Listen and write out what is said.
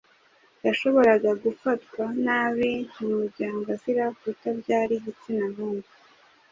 yashoboraga gufatwa nabi mu muryango azira kutabyara igitsina hungu.